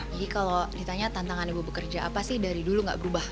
jadi kalau ditanya tantangan ibu pekerja apa sih dari dulu nggak berubah